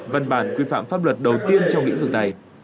văn bản quy phạm pháp luật đầu tiên trong lĩnh vực này